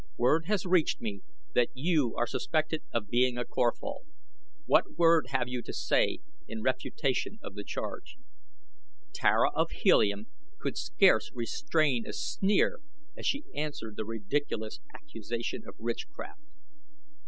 Word has reached me that you are suspected of being a Corphal. What word have you to say in refutation of the charge?" Tara of Helium could scarce restrain a sneer as she answered the ridiculous accusation of witchcraft.